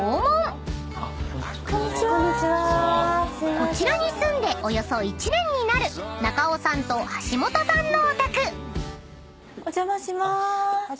［こちらに住んでおよそ１年になる中尾さんと橋本さんのお宅］お邪魔しまーす。